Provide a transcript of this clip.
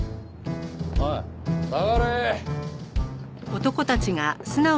おい下がれ。